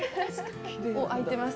おっ、開いてます。